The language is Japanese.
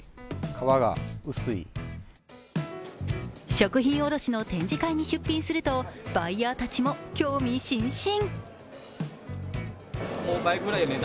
食品卸の展示会に出品すると、バイヤーたちも興味津々。